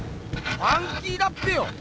ファンキーだっぺよ！